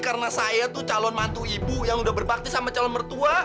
karena saya tuh calon mantu ibu yang udah berbakti sama calon mertua